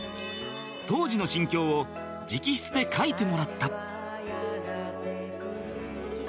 当時の心境を直筆で書いてもらった